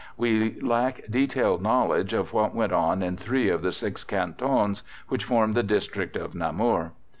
We lack detailed knowledge of what went on in three of the six cantons which form the district of Namur.